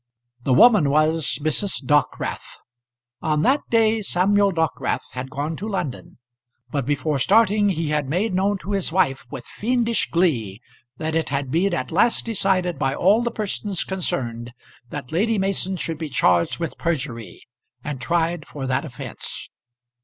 The woman was Mrs. Dockwrath. On that day Samuel Dockwrath had gone to London, but before starting he had made known to his wife with fiendish glee that it had been at last decided by all the persons concerned that Lady Mason should be charged with perjury, and tried for that offence.